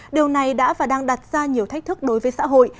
điều này đã và đang đặt ra nhiều thách thức đối với xã hội